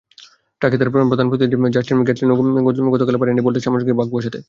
ট্র্যাকে তাঁর প্রধান প্রতিদ্বন্দ্বী জাস্টিন গ্যাটলিন গতকালও পারেননি বোল্টের সাম্রাজ্যে ভাগ বসাতে।